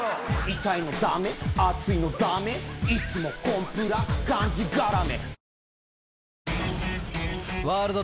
「痛いのダメ熱いのダメ」「いつもコンプラがんじがらめ」